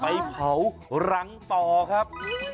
ไปเผารังต่อครับ